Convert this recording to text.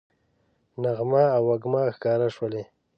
نغمه او وږمه ښکاره شولې